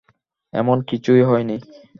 এমন কিছুই হয়নি।